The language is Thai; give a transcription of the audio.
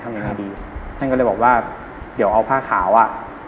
ทำอะไรไม่ดีครับฉันก็เลยบอกว่าเดี๋ยวเอาผ้าขาวอ่ะ